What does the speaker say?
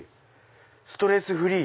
ストレスフリー！